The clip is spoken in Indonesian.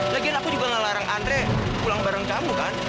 lagian aku juga ngelarang antre pulang bareng kamu kan